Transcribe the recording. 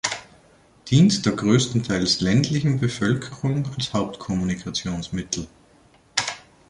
Dient der größtenteils ländlichen Bevölkerung als Hauptkommunikationsmittel.